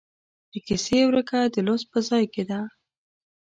د کیسې ورکه د لوست په ځای کې ده.